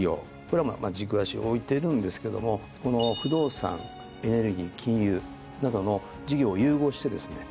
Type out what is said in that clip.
これは軸足を置いてるんですけどもこの不動産エネルギー金融などの事業を融合してですね